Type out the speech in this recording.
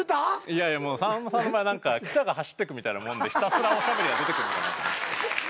いやいやさんまさんの場合は汽車が走ってくみたいなもんでひたすらおしゃべりが出てくるのかなと思って。